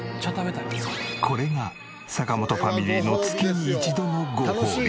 これが坂本ファミリーの月に一度のごほうび。